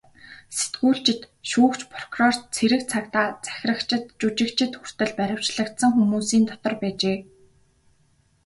Сэтгүүлчид, шүүгч, прокурор, цэрэг цагдаа, захирагчид, жүжигчид хүртэл баривчлагдсан хүмүүсийн дотор байжээ.